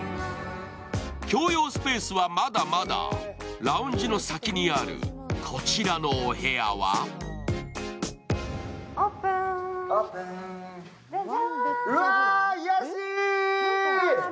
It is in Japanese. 共用スペースはまだまだラウンジの先にあるこちらのお部屋はわ、癒し。